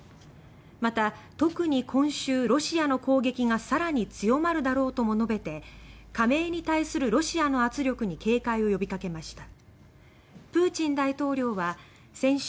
また、特に今週、ロシアの攻撃が更に強まるだろうとも述べて加盟に対するロシアの圧力に警戒を呼びかけました。